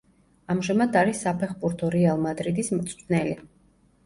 ამჟამად არის საფეხბურთო „რეალ მადრიდის“ მწვრთნელი.